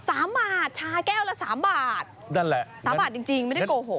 สามบาทชาแก้วละสามบาทนั่นแหละสามบาทจริงจริงไม่ได้โกหก